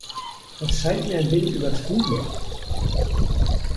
Das scheint mir ein wenig übertrieben!